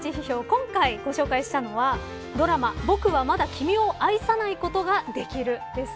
今回ご紹介したのはドラマ、僕はまだ君を愛さないことができる、です。